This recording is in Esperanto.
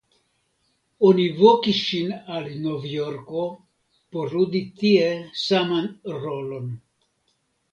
Oni vokis ŝin al Novjorko por ludi tie saman rolon.